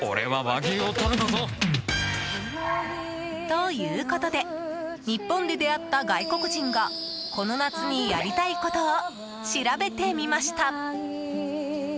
ということで日本で出会った外国人がこの夏にやりたいことを調べてみました。